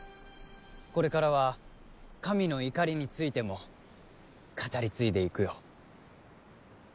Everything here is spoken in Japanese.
これからは神の怒りについても語り継いでいくよ。